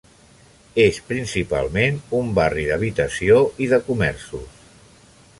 És principalment un barri d'habitació i de comerços.